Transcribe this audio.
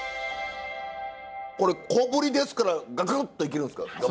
これ小ぶりですからガブッといけるんですか？